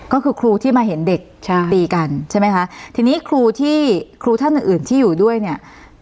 ก็คือครูที่มาเห็นเด็กใช่ตีกันใช่ไหมคะทีนี้ครูที่ครูท่านอื่นอื่นที่อยู่ด้วยเนี่ย